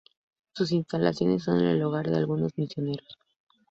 Sus instalaciones son el hogar del algunos Misioneros.